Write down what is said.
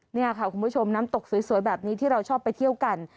นี่ค่ะคุณผู้ชมน้ำตกสวยแบบนี้ที่เราชอบไปเที่ยวกัน